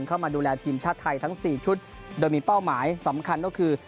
เข้ามาดูแลทีมชาติไทยทั้งสี่ชุดโดยมีเป้าหมายสำคัญก็คือ